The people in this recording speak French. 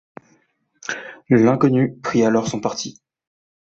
L’inconnu prit alors son parti.